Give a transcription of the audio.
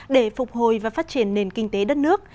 để phục hồi và phát triển nền kinh tế đất nước